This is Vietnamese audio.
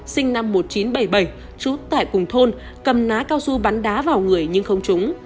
sinh năm một nghìn chín trăm bảy mươi bảy trú tại cùng thôn cầm ná cao su bắn đá vào người nhưng không trúng